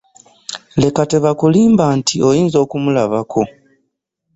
Leka tebakulimba nti oyinza okumalako.